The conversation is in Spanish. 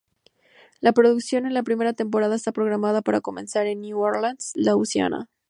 La producción en la primera temporada está programada para comenzar en New Orleans, Louisiana.